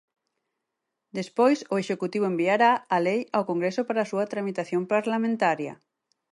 Despois, o Executivo enviará a lei ao Congreso para a súa tramitación parlamentaria.